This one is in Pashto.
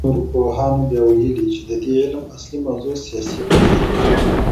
نورو پوهانو بیا ویلي دي چي د دې علم اصلي موضوع سیاسي قدرت دی.